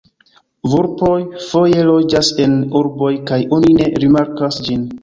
Vulpoj foje loĝas en urboj kaj oni ne rimarkas ĝin.